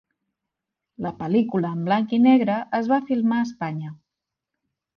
La pel·lícula en blanc i negre es va filmar a Espanya.